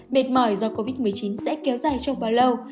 mệt mỏi do covid một mươi chín sẽ kéo dài trong bao lâu